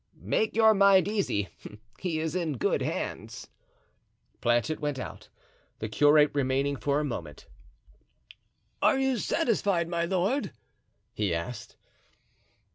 "Make your mind easy, he is in good hands." Planchet went out, the curate remaining for a moment. "Are you satisfied, my lord?" he asked.